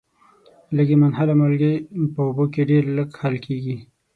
لږي منحله مالګې په اوبو کې ډیر لږ حل کیږي.